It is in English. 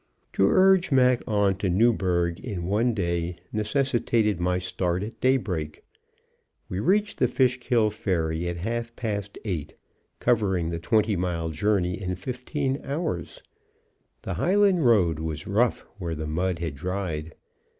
To urge Mac on to Newburgh in one day necessitated my start, at day break. We reached the Fishkill ferry at half past eight, covering the twenty mile journey in fifteen hours. The highland road was rough where the mud had dried.